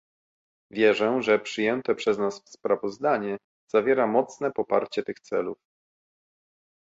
Wierzę, że przyjęte przez nas sprawozdanie zawiera mocne poparcie tych celów